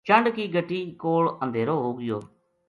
چنڈ کی گَٹی کول اندھیرو ہو گیو